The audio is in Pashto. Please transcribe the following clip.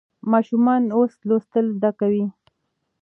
ماشومان اوس لوستل زده کوي.